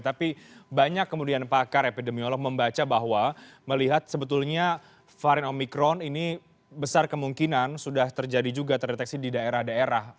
tapi banyak kemudian pakar epidemiolog membaca bahwa melihat sebetulnya varian omikron ini besar kemungkinan sudah terjadi juga terdeteksi di daerah daerah